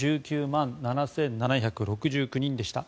１９万７７６９人でした。